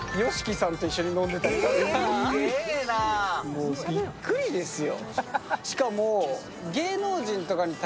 もうびっくりですよ。